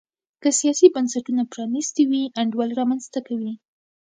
که سیاسي بنسټونه پرانیستي وي انډول رامنځته کوي.